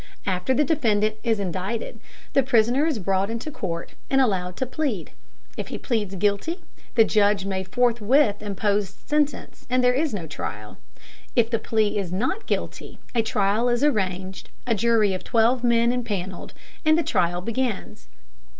After the defendant is indicted, the prisoner is brought into court and allowed to plead. If he pleads guilty, the judge may forthwith impose sentence and there is no trial. If the plea is "not guilty," a trial is arranged, a jury of twelve men impanelled, and the trial begins.